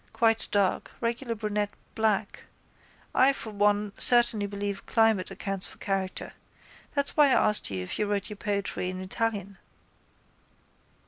Quite dark, regular brunette, black. I for one certainly believe climate accounts for character. That's why I asked you if you wrote your poetry in Italian.